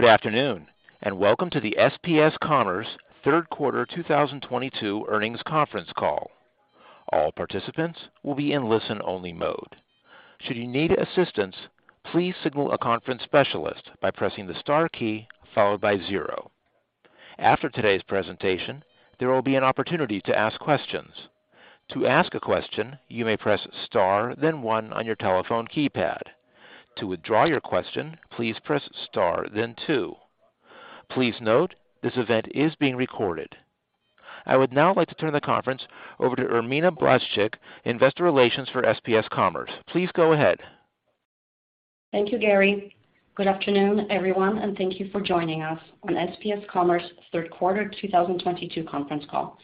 Good afternoon, and welcome to the SPS Commerce Third Quarter 2022 Earnings Conference call. All participants will be in listen-only mode. Should you need assistance, please signal a conference specialist by pressing the star key followed by zero. After today's presentation, there will be an opportunity to ask questions. To ask a question, you may press star then one on your telephone keypad. To withdraw your question, please press star then two. Please note this event is being recorded. I would now like to turn the conference over to Irmina Blaszczyk, Investor Relations for SPS Commerce. Please go ahead. Thank you, Gary. Good afternoon, everyone, and thank you for joining us on SPS Commerce Third Quarter 2022 Conference Call.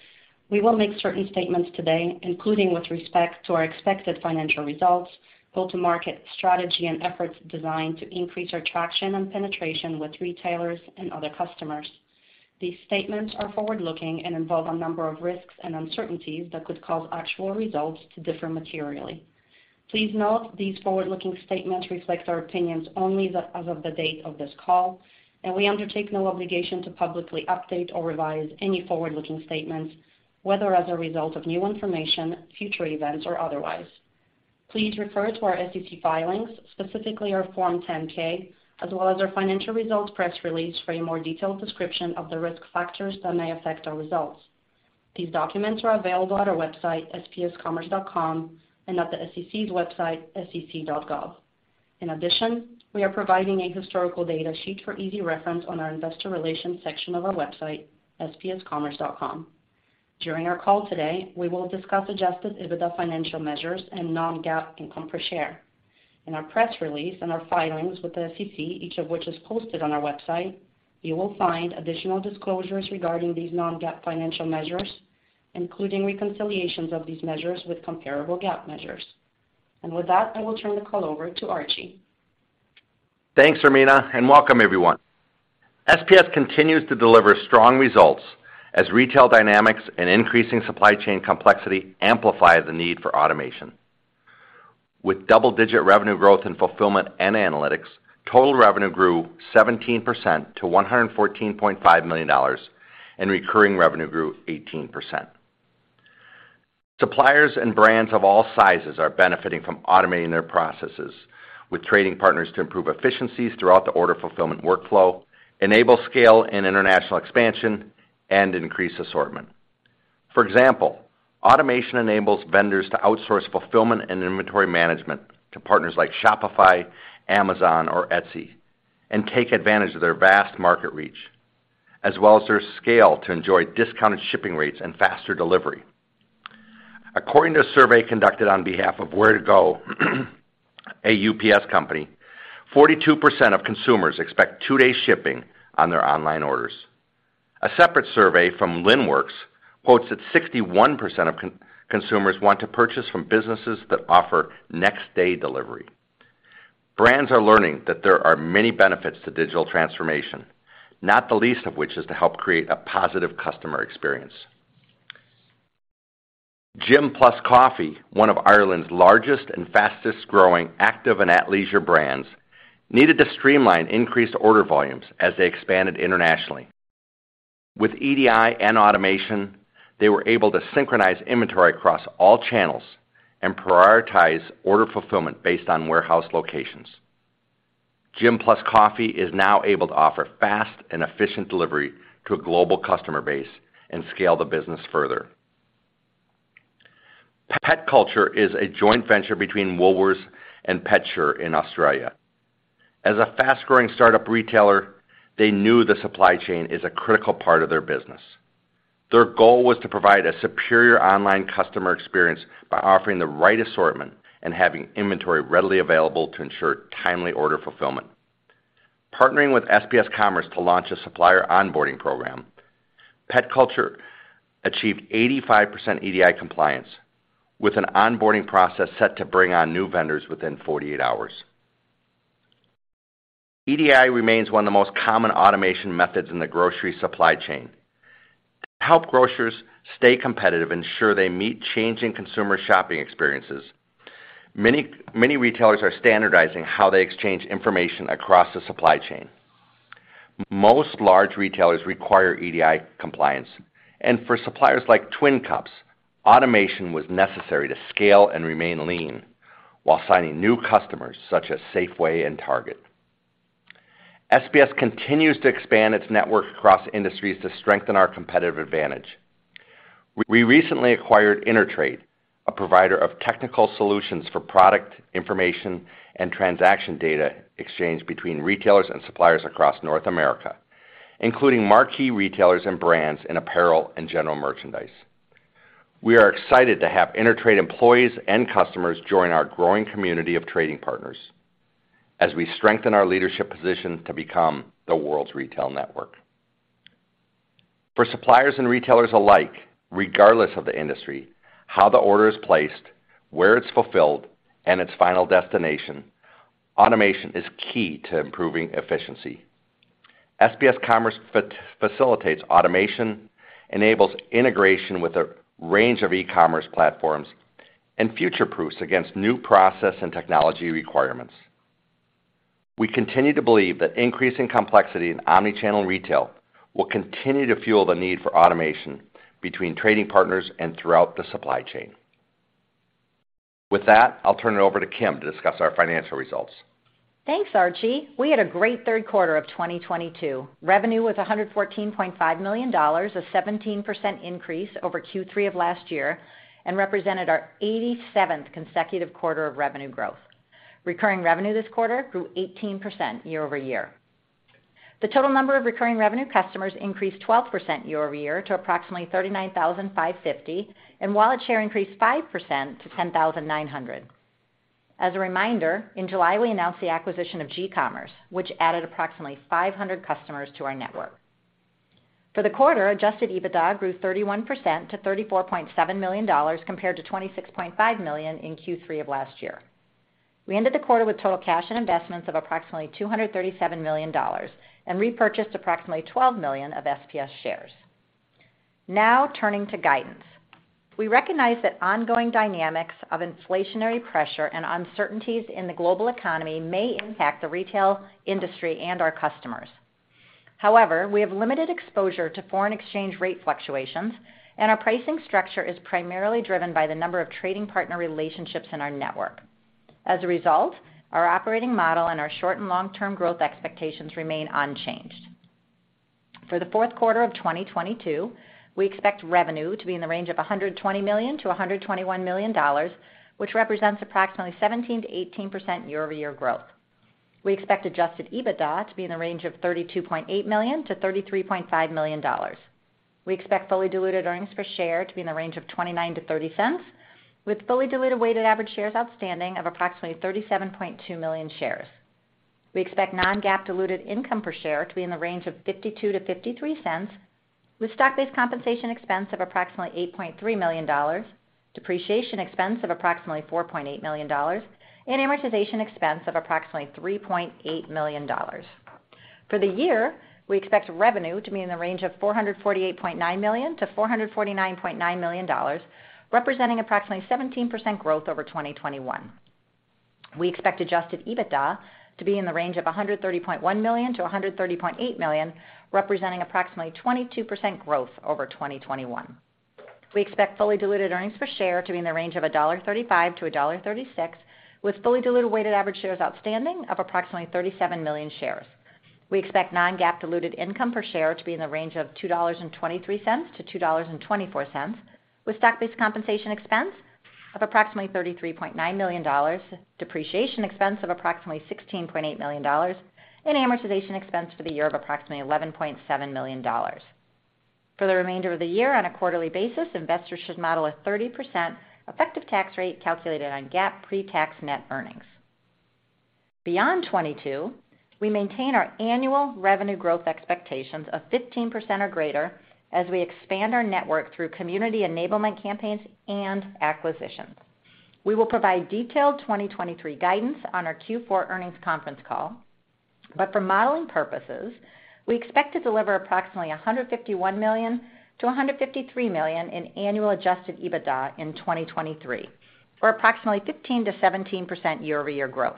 We will make certain statements today, including with respect to our expected financial results, go-to-market strategy and efforts designed to increase our traction and penetration with retailers and other customers. These statements are forward-looking and involve a number of risks and uncertainties that could cause actual results to differ materially. Please note these forward-looking statements reflect our opinions only as of the date of this call, and we undertake no obligation to publicly update or revise any forward-looking statements, whether as a result of new information, future events, or otherwise. Please refer to our SEC filings, specifically our Form 10-K, as well as our financial results press release for a more detailed description of the risk factors that may affect our results. These documents are available at our website, spscommerce.com, and at the SEC's website, sec.gov. In addition, we are providing a historical data sheet for easy reference on our investor relations section of our website, spscommerce.com. During our call today, we will discuss Adjusted EBITDA financial measures and non-GAAP income per share. In our press release and our filings with the SEC, each of which is posted on our website, you will find additional disclosures regarding these non-GAAP financial measures, including reconciliations of these measures with comparable GAAP measures. With that, I will turn the call over to Archie. Thanks, Irmina, and welcome everyone. SPS continues to deliver strong results as retail dynamics and increasing supply chain complexity amplify the need for automation. With double-digit revenue growth in fulfillment and analytics, total revenue grew 17% to $114.5 million, and recurring revenue grew 18%. Suppliers and brands of all sizes are benefiting from automating their processes with trading partners to improve efficiencies throughout the order fulfillment workflow, enable scale and international expansion, and increase assortment. For example, automation enables vendors to outsource fulfillment and inventory management to partners like Shopify, Amazon, or Etsy and take advantage of their vast market reach, as well as their scale to enjoy discounted shipping rates and faster delivery. According to a survey conducted on behalf of Ware2Go, a UPS company, 42% of consumers expect two-day shipping on their online orders. A separate survey from Linnworks quotes that 61% of consumers want to purchase from businesses that offer next-day delivery. Brands are learning that there are many benefits to digital transformation, not the least of which is to help create a positive customer experience. Gym+Coffee, one of Ireland's largest and fastest-growing athleisure brands, needed to streamline increased order volumes as they expanded internationally. With EDI and automation, they were able to synchronize inventory across all channels and prioritize order fulfillment based on warehouse locations. Gym+Coffee is now able to offer fast and efficient delivery to a global customer base and scale the business further. PetCulture is a joint venture between Woolworths and PetSure in Australia. As a fast-growing startup retailer, they knew the supply chain is a critical part of their business. Their goal was to provide a superior online customer experience by offering the right assortment and having inventory readily available to ensure timely order fulfillment. Partnering with SPS Commerce to launch a supplier onboarding program, PetCulture achieved 85% EDI compliance with an onboarding process set to bring on new vendors within 48 hours. EDI remains one of the most common automation methods in the grocery supply chain. To help grocers stay competitive, ensure they meet changing consumer shopping experiences, many, many retailers are standardizing how they exchange information across the supply chain. Most large retailers require EDI compliance, and for suppliers like Twin Cups, automation was necessary to scale and remain lean while signing new customers such as Safeway and Target. SPS continues to expand its network across industries to strengthen our competitive advantage. We recently acquired InterTrade, a provider of technical solutions for product information and transaction data exchange between retailers and suppliers across North America, including marquee retailers and brands in apparel and general merchandise. We are excited to have InterTrade employees and customers join our growing community of trading partners as we strengthen our leadership position to become the world's retail network. For suppliers and retailers alike, regardless of the industry, how the order is placed, where it's fulfilled, and its final destination, automation is key to improving efficiency. SPS Commerce facilitates automation, enables integration with a range of e-commerce platforms and future proofs against new process and technology requirements. We continue to believe that increasing complexity in omnichannel retail will continue to fuel the need for automation between trading partners and throughout the supply chain. With that, I'll turn it over to Kim to discuss our financial results. Thanks, Archie. We had a great third quarter of 2022. Revenue was $114.5 million, a 17% increase over Q3 of last year, and represented our 87th consecutive quarter of revenue growth. Recurring revenue this quarter grew 18% year-over-year. The total number of recurring revenue customers increased 12% year-over-year to approximately 39,550, and wallet share increased 5% to 10,900. As a reminder, in July, we announced the acquisition of GCommerce, which added approximately 500 customers to our network. For the quarter, Adjusted EBITDA grew 31% to $34.7 million compared to $26.5 million in Q3 of last year. We ended the quarter with total cash and investments of approximately $237 million and repurchased approximately $12 million of SPS shares. Now turning to guidance. We recognize that ongoing dynamics of inflationary pressure and uncertainties in the global economy may impact the retail industry and our customers. However, we have limited exposure to foreign exchange rate fluctuations, and our pricing structure is primarily driven by the number of trading partner relationships in our network. As a result, our operating model and our short and long-term growth expectations remain unchanged. For the fourth quarter of 2022, we expect revenue to be in the range of $120 million-$121 million, which represents approximately 17%-18% year-over-year growth. We expect Adjusted EBITDA to be in the range of $32.8 million-$33.5 million. We expect fully diluted earnings per share to be in the range of $0.29-$0.30, with fully diluted weighted average shares outstanding of approximately 37.2 million shares. We expect non-GAAP diluted income per share to be in the range of $0.52-$0.53, with stock-based compensation expense of approximately $8.3 million, depreciation expense of approximately $4.8 million, and amortization expense of approximately $3.8 million. For the year, we expect revenue to be in the range of $448.9 million-$449.9 million, representing approximately 17% growth over 2021. We expect Adjusted EBITDA to be in the range of $130.1 million-$130.8 million, representing approximately 22% growth over 2021. We expect fully diluted earnings per share to be in the range of $1.35-$1.36, with fully diluted weighted average shares outstanding of approximately 37 million shares. We expect non-GAAP diluted income per share to be in the range of $2.23-$2.24, with stock-based compensation expense of approximately $33.9 million, depreciation expense of approximately $16.8 million, and amortization expense for the year of approximately $11.7 million. For the remainder of the year on a quarterly basis, investors should model a 30% effective tax rate calculated on GAAP pre-tax net earnings. Beyond 2022, we maintain our annual revenue growth expectations of 15% or greater as we expand our network through community enablement campaigns and acquisitions. We will provide detailed 2023 guidance on our Q4 earnings conference call. For modeling purposes, we expect to deliver approximately $151 million-$153 million in annual Adjusted EBITDA in 2023, or approximately 15%-17% year-over-year growth.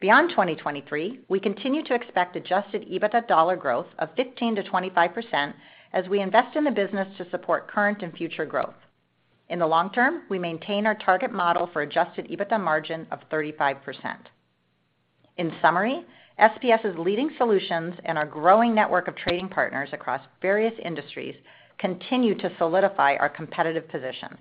Beyond 2023, we continue to expect Adjusted EBITDA dollar growth of 15%-25% as we invest in the business to support current and future growth. In the long term, we maintain our target model for Adjusted EBITDA margin of 35%. In summary, SPS's leading solutions and our growing network of trading partners across various industries continue to solidify our competitive position,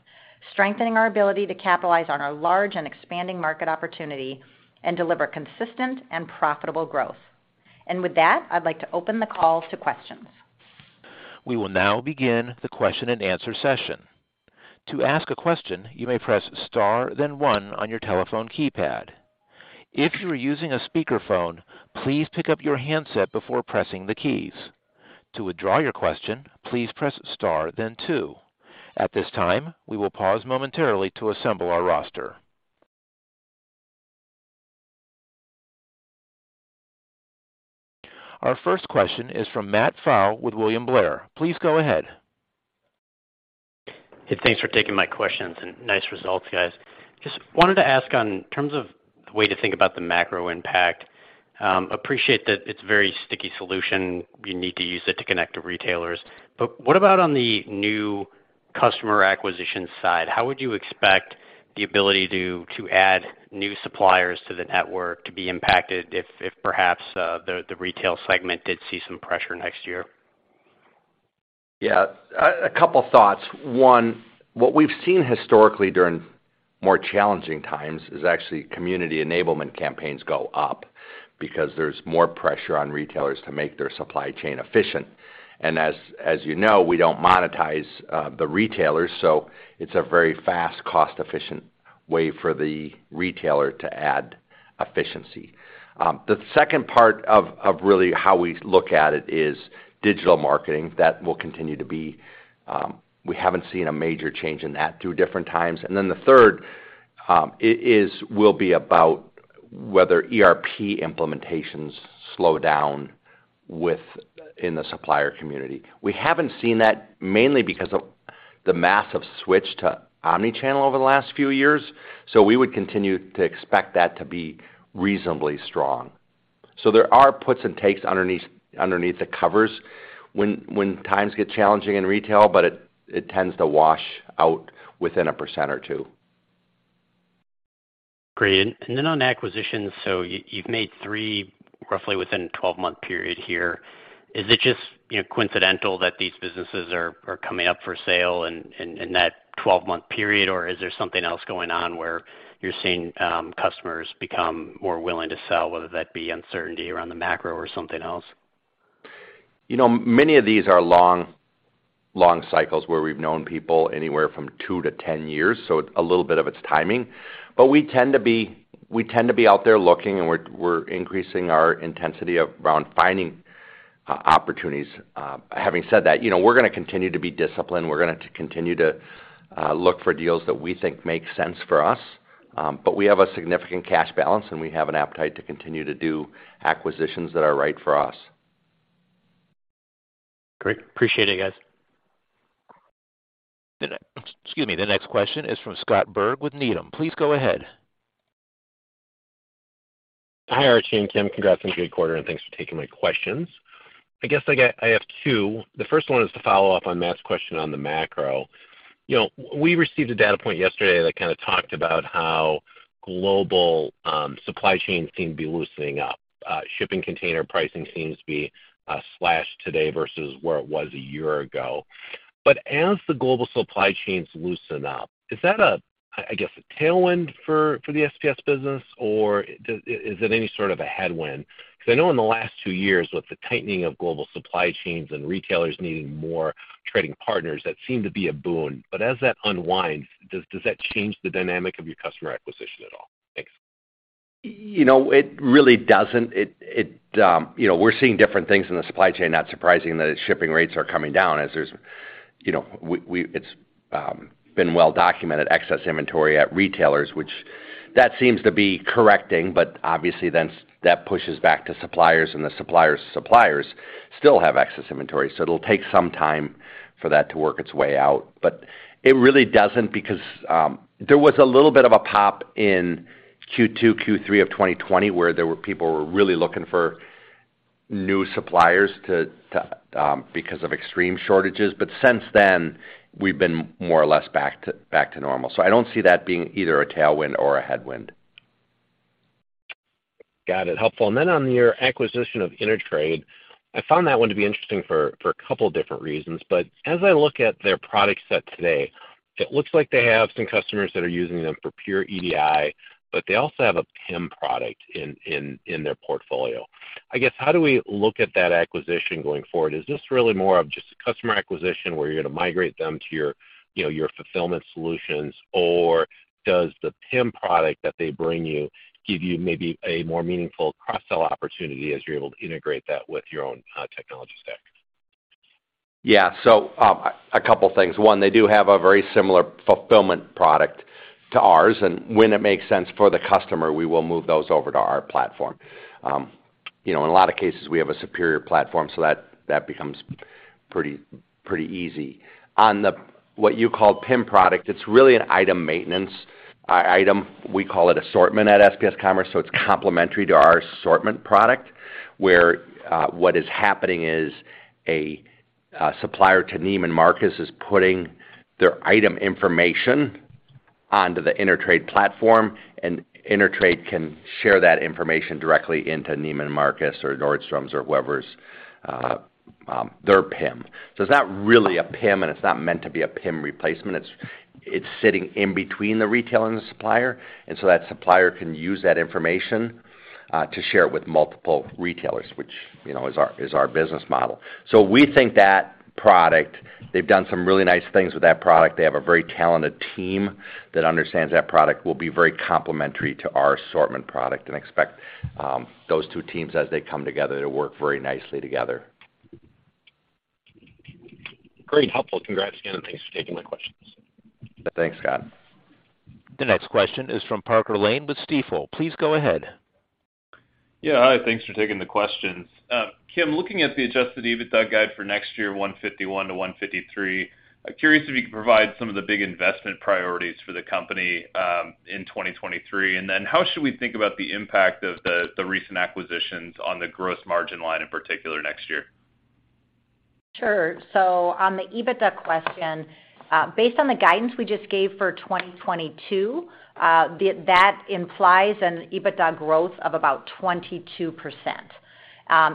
strengthening our ability to capitalize on our large and expanding market opportunity and deliver consistent and profitable growth. With that, I'd like to open the call to questions. We will now begin the question and answer session. To ask a question, you may press star then one on your telephone keypad. If you are using a speakerphone, please pick up your handset before pressing the keys. To withdraw your question, please press star then two. At this time, we will pause momentarily to assemble our roster. Our first question is from Matt Pfau with William Blair. Please go ahead. Hey, thanks for taking my questions, and nice results, guys. Just wanted to ask in terms of the way to think about the macro impact, appreciate that it's very sticky solution. You need to use it to connect to retailers. What about on the new customer acquisition side? How would you expect the ability to add new suppliers to the network to be impacted if perhaps the retail segment did see some pressure next year? Yeah, a couple thoughts. One, what we've seen historically during more challenging times is actually community enablement campaigns go up because there's more pressure on retailers to make their supply chain efficient. As you know, we don't monetize the retailers, so it's a very fast, cost-efficient way for the retailer to add efficiency. The second part of really how we look at it is digital marketing. That will continue to be. We haven't seen a major change in that through different times. Then the third will be about whether ERP implementations slow down in the supplier community. We haven't seen that mainly because of the massive switch to omnichannel over the last few years, so we would continue to expect that to be reasonably strong. There are puts and takes underneath the covers when times get challenging in retail, but it tends to wash out within 1% or 2%. Great. On acquisitions, so you've made three roughly within a 12-month period here. Is it just, you know, coincidental that these businesses are coming up for sale in that 12-month period? Or is there something else going on where you're seeing customers become more willing to sell, whether that be uncertainty around the macro or something else? You know, many of these are long cycles where we've known people anywhere from two to 10 years, so a little bit of it's timing. We tend to be out there looking, and we're increasing our intensity around finding opportunities. Having said that, you know, we're gonna continue to be disciplined. We're gonna continue to look for deals that we think make sense for us. We have a significant cash balance, and we have an appetite to continue to do acquisitions that are right for us. Great. Appreciate it, guys. Excuse me. The next question is from Scott Berg with Needham. Please go ahead. Hi, Archie and Kim. Congrats on a good quarter, and thanks for taking my questions. I guess I have two. The first one is to follow up on Matt's question on the macro. You know, we received a data point yesterday that kind of talked about how global supply chains seem to be loosening up. Shipping container pricing seems to be slashed today versus where it was a year ago. As the global supply chains loosen up, is that a, I guess, a tailwind for the SPS business, or is it any sort of a headwind? Because I know in the last two years, with the tightening of global supply chains and retailers needing more trading partners, that seemed to be a boon. As that unwinds, does that change the dynamic of your customer acquisition at all? Thanks. You know, it really doesn't. You know, we're seeing different things in the supply chain, not surprising that it's shipping rates are coming down as there's been well documented excess inventory at retailers, which seems to be correcting, but obviously then that pushes back to suppliers, and the suppliers' suppliers still have excess inventory, so it'll take some time for that to work its way out. It really doesn't because there was a little bit of a pop in Q2, Q3 of 2020, where there were people who were really looking for new suppliers because of extreme shortages. Since then, we've been more or less back to normal. I don't see that being either a tailwind or a headwind. Got it. Helpful. Then on your acquisition of InterTrade, I found that one to be interesting for a couple different reasons. As I look at their product set today, it looks like they have some customers that are using them for pure EDI, but they also have a PIM product in their portfolio. I guess, how do we look at that acquisition going forward? Is this really more of just a customer acquisition, where you're gonna migrate them to your, you know, your fulfillment solutions? Or does the PIM product that they bring you give you maybe a more meaningful cross-sell opportunity as you're able to integrate that with your own technology stack? Yeah. A couple things. One, they do have a very similar fulfillment product to ours, and when it makes sense for the customer, we will move those over to our platform. You know, in a lot of cases, we have a superior platform, so that becomes pretty easy. On the what you call PIM product, it's really an item maintenance item. We call it assortment at SPS Commerce, so it's complementary to our assortment product, where what is happening is a supplier to Neiman Marcus is putting their item information onto the InterTrade platform, and InterTrade can share that information directly into Neiman Marcus or Nordstrom or whoever's their PIM. It's not really a PIM, and it's not meant to be a PIM replacement. It's sitting in between the retailer and the supplier, and so that supplier can use that information to share it with multiple retailers, which, you know, is our business model. We think that product, they've done some really nice things with that product. They have a very talented team that understands that product, will be very complementary to our Assortment product and expect those two teams as they come together to work very nicely together. Great. Helpful. Congrats again, and thanks for taking my questions. Thanks, Scott. The next question is from Parker Lane with Stifel. Please go ahead. Yeah. Hi, thanks for taking the questions. Kim, looking at the Adjusted EBITDA guide for next year, $151-$153, I'm curious if you could provide some of the big investment priorities for the company in 2023. How should we think about the impact of the recent acquisitions on the gross margin line in particular next year? Sure. On the EBITDA question, based on the guidance we just gave for 2022, that implies an EBITDA growth of about 22%.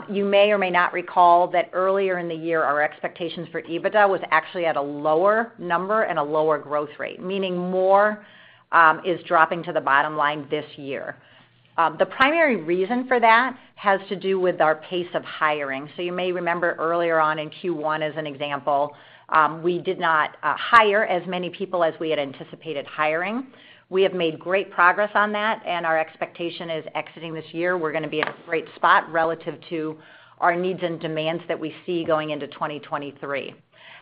You may or may not recall that earlier in the year, our expectations for EBITDA was actually at a lower number and a lower growth rate, meaning more is dropping to the bottom line this year. The primary reason for that has to do with our pace of hiring. You may remember earlier on in Q1, as an example, we did not hire as many people as we had anticipated hiring. We have made great progress on that, and our expectation is exiting this year, we're gonna be in a great spot relative to our needs and demands that we see going into 2023.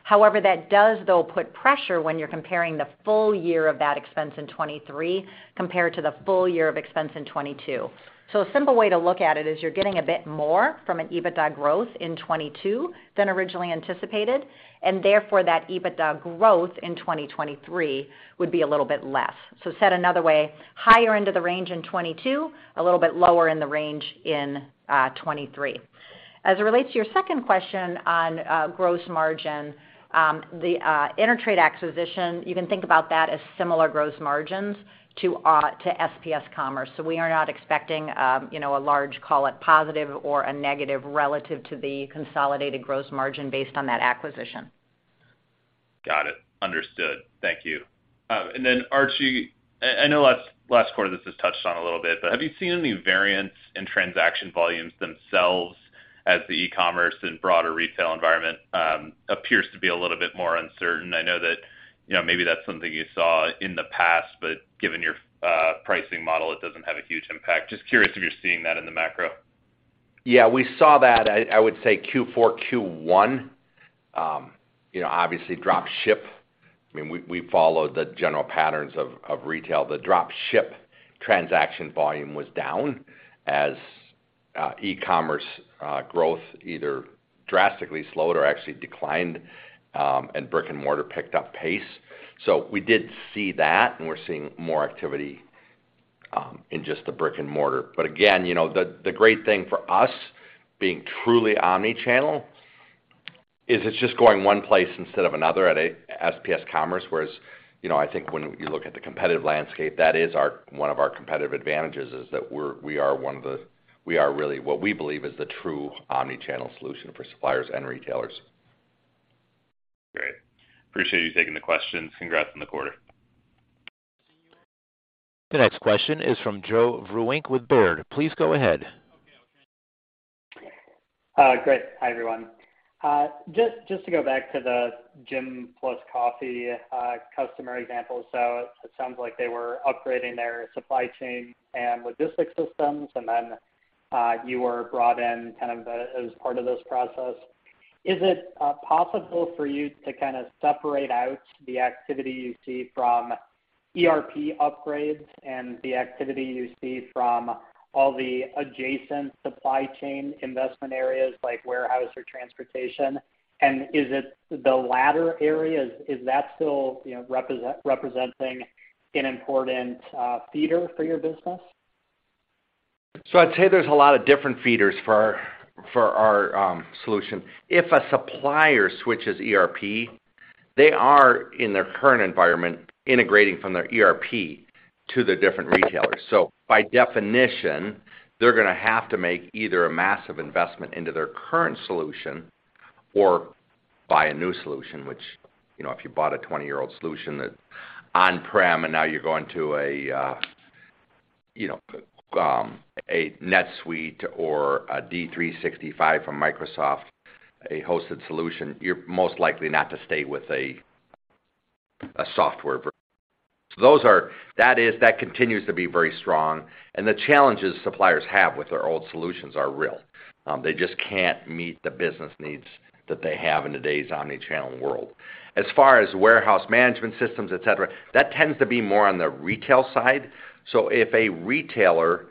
However, that does, though, put pressure when you're comparing the full year of that expense in 2023 compared to the full year of expense in 2022. A simple way to look at it is you're getting a bit more from an EBITDA growth in 2022 than originally anticipated, and therefore that EBITDA growth in 2023 would be a little bit less. Said another way, higher end of the range in 2022, a little bit lower in the range in 2023. As it relates to your second question on gross margin, the InterTrade acquisition, you can think about that as similar gross margins to SPS Commerce. We are not expecting, you know, a large, call it positive or a negative relative to the consolidated gross margin based on that acquisition. Got it. Understood. Thank you. Archie, I know last quarter this was touched on a little bit, but have you seen any variance in transaction volumes themselves as the e-commerce and broader retail environment appears to be a little bit more uncertain? I know that, you know, maybe that's something you saw in the past, but given your pricing model, it doesn't have a huge impact. Just curious if you're seeing that in the macro. Yeah, we saw that. I would say Q4, Q1. You know, obviously drop ship. I mean, we followed the general patterns of retail. The drop ship transaction volume was down as e-commerce growth either drastically slowed or actually declined, and brick-and-mortar picked up pace. We did see that, and we're seeing more activity in just the brick-and-mortar. Again, you know, the great thing for us being truly omnichannel is it's just going one place instead of another at SPS Commerce. Whereas, you know, I think when you look at the competitive landscape, that is one of our competitive advantages, is that we are really what we believe is the true omnichannel solution for suppliers and retailers. Great. Appreciate you taking the questions. Congrats on the quarter. The next question is from Joe Vruwink with Baird. Please go ahead. Great. Hi, everyone. Just to go back to the Gym+Coffee customer example. It sounds like they were upgrading their supply chain and logistics systems, and then you were brought in kind of as part of this process. Is it possible for you to kinda separate out the activity you see from ERP upgrades and the activity you see from all the adjacent supply chain investment areas like warehouse or transportation? Is it the latter area? Is that still, you know, representing an important feeder for your business? I'd say there's a lot of different feeders for our solution. If a supplier switches ERP, they are in their current environment integrating from their ERP to the different retailers. By definition, they're gonna have to make either a massive investment into their current solution or buy a new solution, which, you know, if you bought a 20-year-old solution that on-prem and now you're going to a, you know, a NetSuite or a D365 from Microsoft, a hosted solution, you're most likely not to stay with a software version. That continues to be very strong, and the challenges suppliers have with their old solutions are real. They just can't meet the business needs that they have in today's omnichannel world. As far as warehouse management systems, et cetera, that tends to be more on the retail side. If a retailer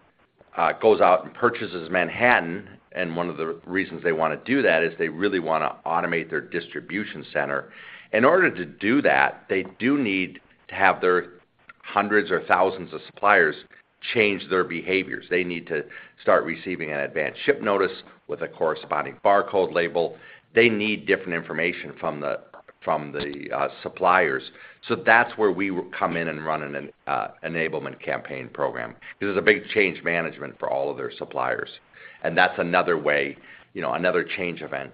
goes out and purchases Manhattan, and one of the reasons they wanna do that is they really wanna automate their distribution center. In order to do that, they do need to have their hundreds or thousands of suppliers change their behaviors. They need to start receiving an advanced ship notice with a corresponding barcode label. They need different information from the suppliers. That's where we come in and run an enablement campaign program. This is a big change management for all of their suppliers, and that's another way, you know, another change event,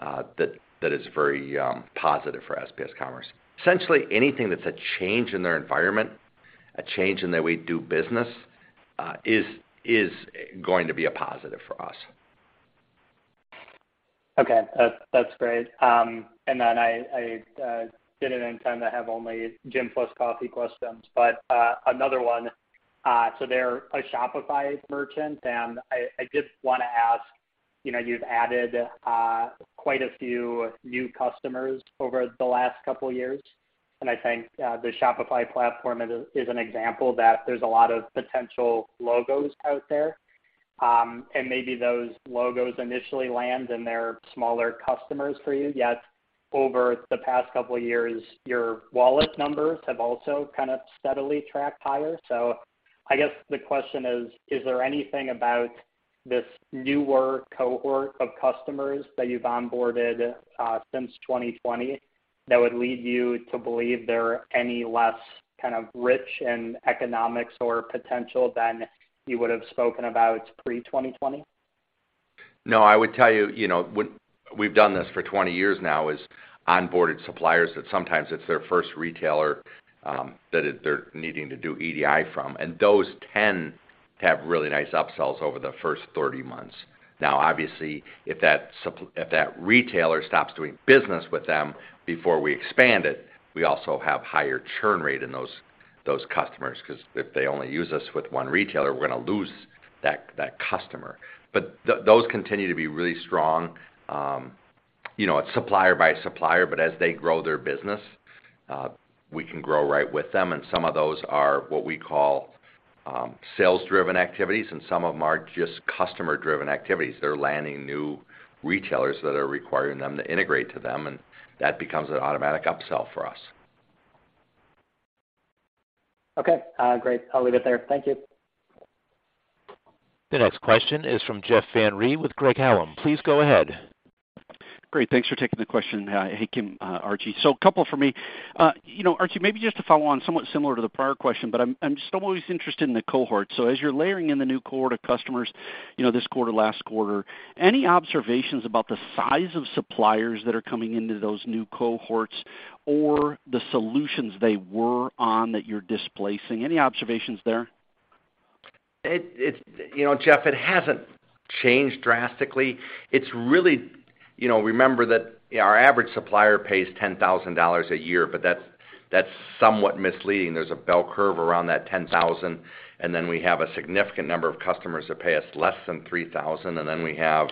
that is very positive for SPS Commerce. Essentially anything that's a change in their environment, a change in the way we do business, is going to be a positive for us. Okay. That's great. I didn't intend to have only Gym+Coffee questions, but another one. They're a Shopify merchant, and I just wanna ask, you know, you've added quite a few new customers over the last couple years, and I think the Shopify platform is an example that there's a lot of potential logos out there. And maybe those logos initially land, and they're smaller customers for you, yet over the past couple years, your wallet share has also kind of steadily tracked higher. I guess the question is there anything about this newer cohort of customers that you've onboarded since 2020 that would lead you to believe they're any less kind of rich in economics or potential than you would've spoken about pre-2020? No, I would tell you know, we've done this for 20 years now, is onboarded suppliers that sometimes it's their first retailer, that they're needing to do EDI from, and those tend to have really nice upsells over the first 30 months. Now, obviously, if that retailer stops doing business with them before we expand it, we also have higher churn rate in those customers, 'cause if they only use us with one retailer, we're gonna lose that customer. Those continue to be really strong, you know, supplier by supplier, but as they grow their business, we can grow right with them, and some of those are what we call sales-driven activities, and some of them are just customer-driven activities. They're landing new retailers that are requiring them to integrate to them, and that becomes an automatic upsell for us. Okay. Great. I'll leave it there. Thank you. The next question is from Jeff Van Rhee with Craig-Hallum. Please go ahead. Great. Thanks for taking the question. Hey, Kim, Archie. A couple for me. You know, Archie, maybe just to follow on somewhat similar to the prior question, but I'm just always interested in the cohort. As you're layering in the new cohort of customers, you know, this quarter, last quarter, any observations about the size of suppliers that are coming into those new cohorts or the solutions they were on that you're displacing? Any observations there? You know, Jeff, it hasn't changed drastically. It's really, you know, remember that our average supplier pays $10,000 a year, but that's somewhat misleading. There's a bell curve around that $10,000, and then we have a significant number of customers that pay us less than $3,000, and then we have,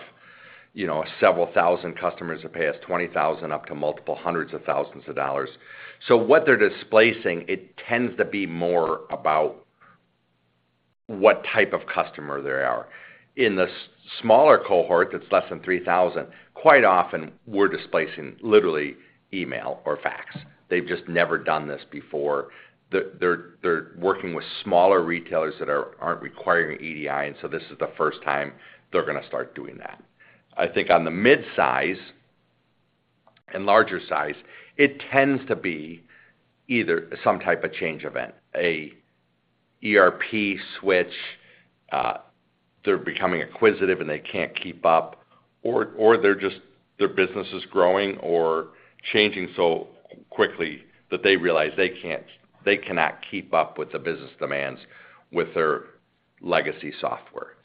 you know, several thousand customers that pay us $20,000 up to multiple hundreds of thousands of dollars. So what they're displacing, it tends to be more about what type of customer they are. In the smaller cohort, that's less than $3,000, quite often we're displacing literally email or fax. They've just never done this before. They're working with smaller retailers that aren't requiring EDI, and so this is the first time they're gonna start doing that. I think on the mid-size and larger size, it tends to be either some type of change event, an ERP switch, they're becoming acquisitive, and they can't keep up, or they're just their business is growing or changing so quickly that they realize they cannot keep up with the business demands with their legacy software.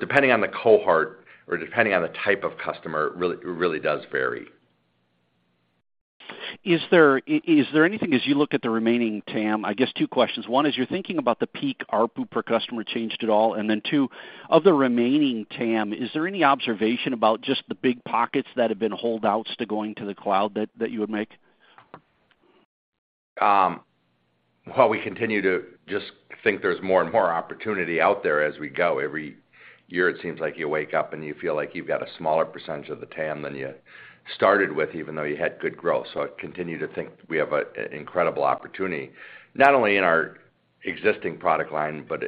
Depending on the cohort or depending on the type of customer, it really does vary. Is there anything as you look at the remaining TAM? I guess two questions. One, as you're thinking about the peak, ARPU per customer changed at all, and then two, of the remaining TAM, is there any observation about just the big pockets that have been holdouts to going to the cloud that you would make? Well, we continue to just think there's more and more opportunity out there as we go. Every year, it seems like you wake up, and you feel like you've got a smaller percentage of the TAM than you started with, even though you had good growth. I continue to think we have an incredible opportunity, not only in our existing product line, but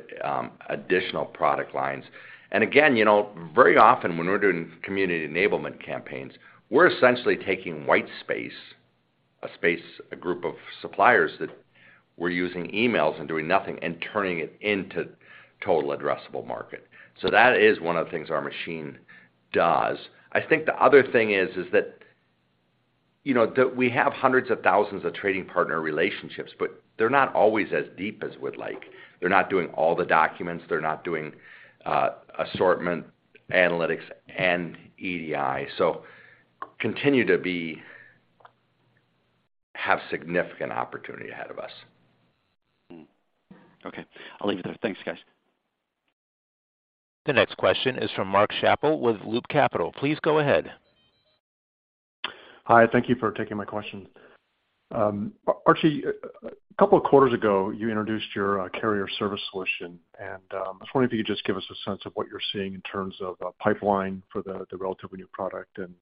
additional product lines. Again, you know, very often when we're doing community enablement campaigns, we're essentially taking white space, a space, a group of suppliers that were using emails and doing nothing and turning it into total addressable market. That is one of the things our machine does. I think the other thing is that, you know, we have hundreds of thousands of trading partner relationships, but they're not always as deep as we'd like. They're not doing all the documents, they're not doing Assortment, Analytics, and EDI. Continue to have significant opportunity ahead of us. Mm-hmm. Okay. I'll leave it there. Thanks, guys. The next question is from Mark Schappel with Loop Capital. Please go ahead. Hi, thank you for taking my question. Archie, a couple of quarters ago, you introduced your carrier service solution, and I was wondering if you could just give us a sense of what you're seeing in terms of pipeline for the relatively new product and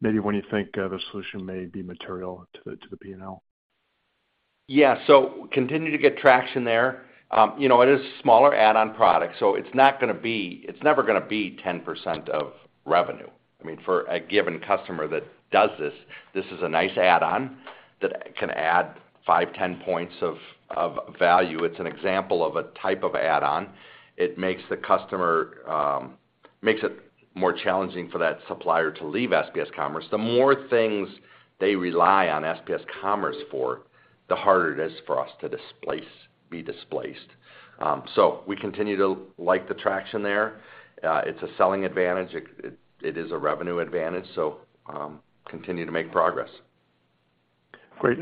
maybe when you think the solution may be material to the P&L? Yeah. Continue to get traction there. You know, it is a smaller add-on product, so it's never gonna be 10% of revenue. I mean, for a given customer that does this is a nice add-on that can add 5-10 points of value. It's an example of a type of add-on. It makes it more challenging for that supplier to leave SPS Commerce. The more things they rely on SPS Commerce for, the harder it is for us to be displaced. We continue to like the traction there. It's a selling advantage. It is a revenue advantage, so continue to make progress. Great.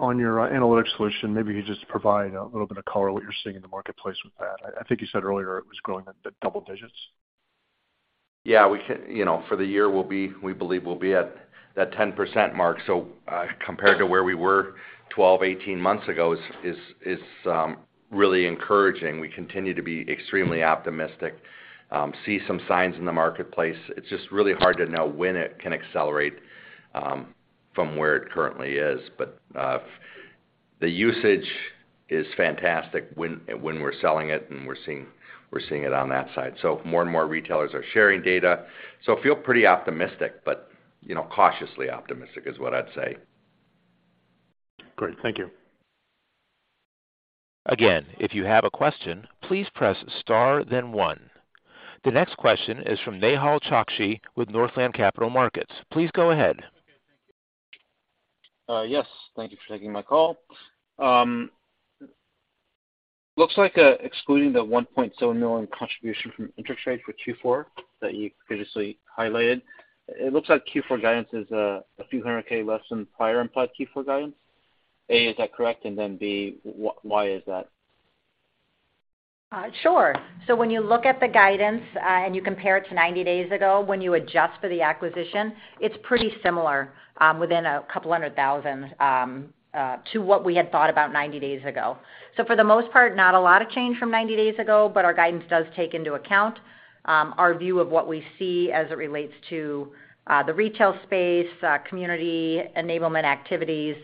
On your analytics solution, maybe you could just provide a little bit of color what you're seeing in the marketplace with that. I think you said earlier it was growing at double digits. You know, for the year, we believe we'll be at that 10% mark. Compared to where we were 12, 18 months ago, is really encouraging. We continue to be extremely optimistic, see some signs in the marketplace. It's just really hard to know when it can accelerate from where it currently is. The usage is fantastic when we're selling it, and we're seeing it on that side. More and more retailers are sharing data. Feel pretty optimistic, but you know, cautiously optimistic is what I'd say. Great. Thank you. Again, if you have a question, please press star then one. The next question is from Nehal Chokshi with Northland Capital Markets. Please go ahead. Okay. Thank you. Yes. Thank you for taking my call. Looks like, excluding the $1.7 million contribution from InterTrade for Q4 that you previously highlighted, it looks like Q4 guidance is a few hundred k less than prior implied Q4 guidance. A, is that correct? And then B, why is that? Sure. When you look at the guidance, and you compare it to 90 days ago, when you adjust for the acquisition, it's pretty similar, within a couple hundred thousand, to what we had thought about 90 days ago. For the most part, not a lot of change from 90 days ago, but our guidance does take into account, our view of what we see as it relates to, the retail space, community enablement activities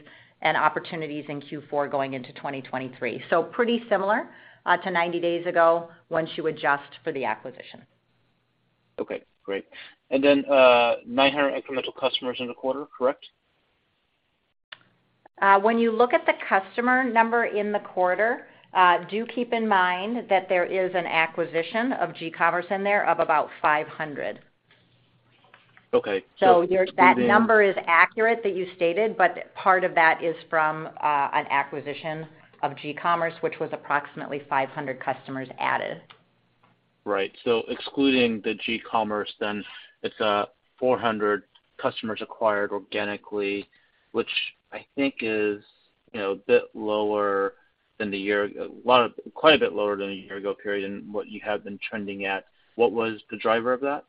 and opportunities in Q4 going into 2023. Pretty similar, to 90 days ago once you adjust for the acquisition. Okay, great. 900 incremental customers in the quarter, correct? When you look at the customer number in the quarter, do keep in mind that there is an acquisition of GCommerce in there of about 500. Okay. That number is accurate that you stated, but part of that is from an acquisition of GCommerce, which was approximately 500 customers added. Right. Excluding the GCommerce, then it's 400 customers acquired organically, which I think is, you know, quite a bit lower than the year ago period and what you have been trending at. What was the driver of that?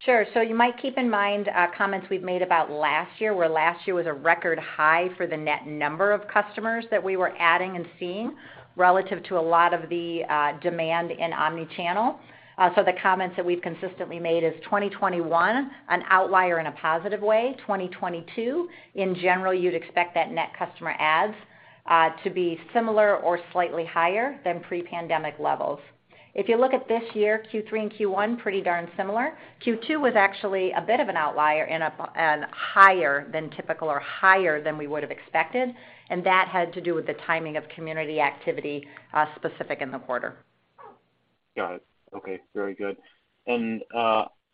Sure. You might keep in mind comments we've made about last year, where last year was a record high for the net number of customers that we were adding and seeing relative to a lot of the demand in omnichannel. The comments that we've consistently made is 2021, an outlier in a positive way. 2022, in general, you'd expect that net customer adds to be similar or slightly higher than pre-pandemic levels. If you look at this year, Q3 and Q1, pretty darn similar. Q2 was actually a bit of an outlier and higher than typical or higher than we would have expected, and that had to do with the timing of community activity specific in the quarter. Got it. Okay. Very good. Did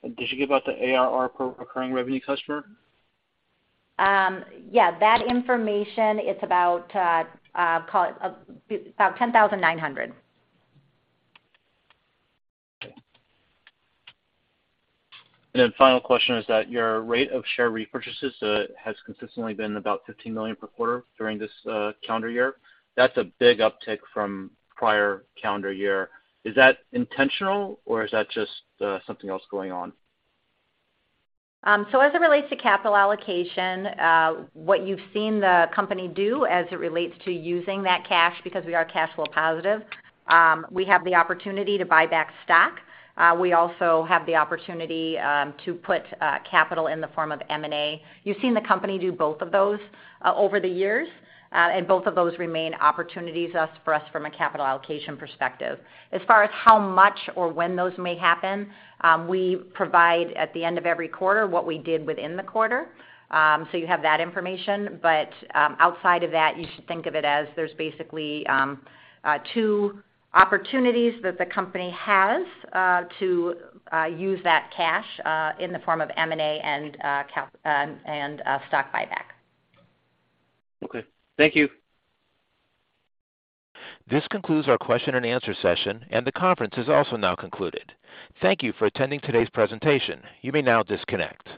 you give out the ARR per recurring revenue customer? Yeah, that information, it's about, call it about 10,900. Final question is that your rate of share repurchases has consistently been about $15 million per quarter during this calendar year. That's a big uptick from prior calendar year. Is that intentional, or is that just something else going on? As it relates to capital allocation, what you've seen the company do as it relates to using that cash, because we are cash flow positive, we have the opportunity to buy back stock. We also have the opportunity to put capital in the form of M&A. You've seen the company do both of those over the years, and both of those remain opportunities for us from a capital allocation perspective. As far as how much or when those may happen, we provide at the end of every quarter what we did within the quarter, so you have that information. Outside of that, you should think of it as there's basically two opportunities that the company has to use that cash in the form of M&A and stock buyback. Okay. Thank you. This concludes our question-and-answer session, and the conference has also now concluded. Thank you for attending today's presentation. You may now disconnect.